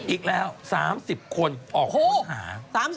อีกแล้ว๓๐คนออกค้นหา